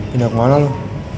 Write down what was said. pindah kemana lo